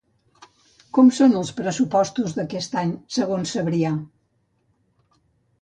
Com són els pressupostos d'aquest any, segons Sabrià?